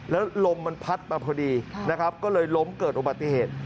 แล้วลมมันพัดมาพอดีนะครับก็เลยล้มเกิดอุบัติเหตุ